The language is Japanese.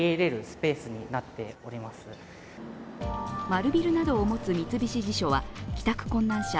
丸ビルなどを持つ、三菱地所は帰宅困難者